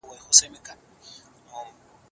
که تخصص شتون ولري نو کارونه به په ښه توګه ترسره سي.